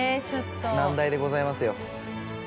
難題でございますよ。